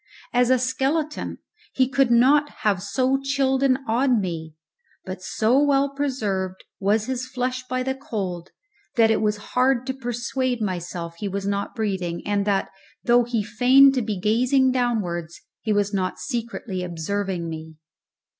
As a skeleton he could not have so chilled and awed me; but so well preserved was his flesh by the cold, that it was hard to persuade myself he was not breathing, and that, though he feigned to be gazing downwards, he was not secretly observing me.